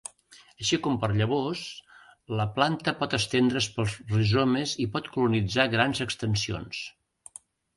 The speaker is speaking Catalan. Així com per llavors, la planta pot estendre's pels rizomes i pot colonitzar grans extensions.